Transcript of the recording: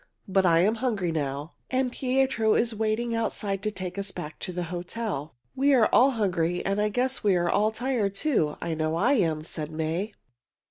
"But I am hungry now, and Pietro is waiting outside to take us back to the hotel." "We are all hungry, and I guess we are all tired, too. I know I am," said May.